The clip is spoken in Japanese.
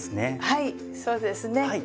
はいそうですね。